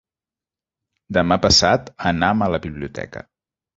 Demà passat anam a la biblioteca.